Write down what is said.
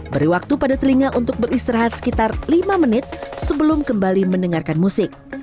beri waktu pada telinga untuk beristirahat sekitar lima menit sebelum kembali mendengarkan musik